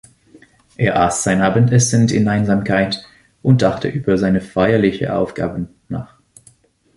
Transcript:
Er aß sein Abendessen in Einsamkeit und dachte über seine feierliche Aufgabe nach.